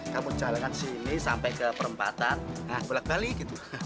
kamu jalankan sini sampai ke perempatan nah bolak balik gitu